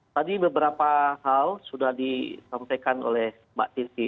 tadi beberapa hal sudah disampaikan oleh mbak titi